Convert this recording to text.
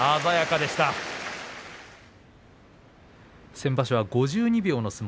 先場所は５２秒の相撲